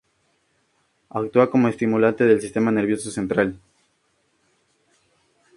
Actúa como estimulante del sistema nervioso central.